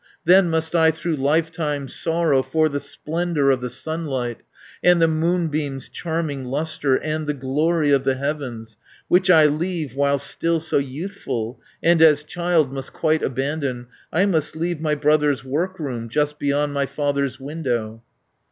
"Then must I through lifetime sorrow For the splendour of the sunlight, And the moonbeam's charming lustre And the glory of the heavens, 560 Which I leave, while still so youthful, And as child must quite abandon, I must leave my brother's work room, Just beyond my father's window."